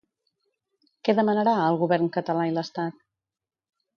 Què demanarà al govern català i l'Estat?